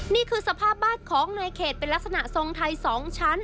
นี่คือสภาพบ้านของนายเขตเป็นลักษณะทรงไทย๒ชั้น